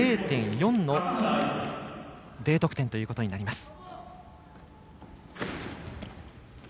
０．４のＤ得点ということになります。